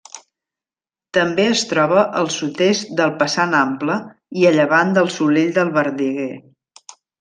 També es troba al sud-est del Passant Ample i a llevant del Solell del Verdeguer.